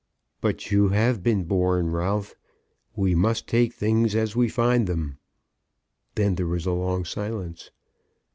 "But you have been born, Ralph. We must take things as we find them." Then there was a long silence.